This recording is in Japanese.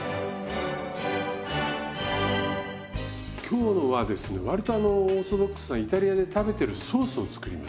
今日のはですね割とあのオーソドックスなイタリアで食べてるソースを作ります。